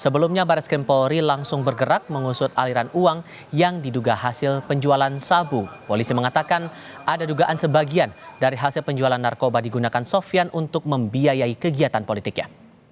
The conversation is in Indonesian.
belisi mengatakan ada dugaan sebagian dari hasil penjualan narkoba digunakan sofian untuk membiayai kegiatan politiknya